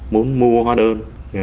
muốn mua hoa đơn